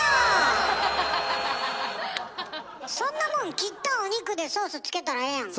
そんなもん切ったお肉でソースつけたらええやんか。